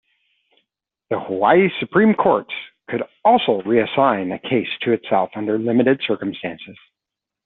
The Hawaii Supreme Court could also reassign a case to itself under limited circumstances.